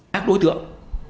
các đối tượng